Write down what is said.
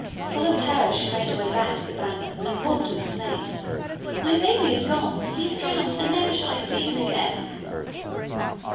Full of terror, she made her way back to the bank, and called to the snake, 'My baby is gone! he is drowned, and never shall I see him again.